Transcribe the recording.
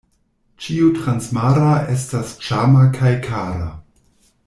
Ĉio transmara estas ĉarma kaj kara.